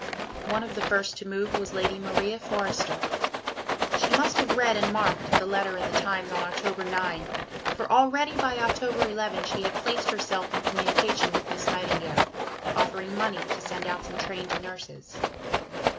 One of the first to move was Lady Maria Forester. She must have read and marked the letter in the Times on October 9, for already by October 11 she had placed herself in communication with Miss Nightingale, offering money to send out some trained nurses.